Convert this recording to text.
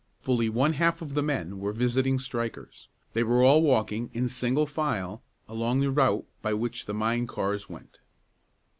Fully one half of the men were visiting strikers. They were all walking, in single file, along the route by which the mine cars went.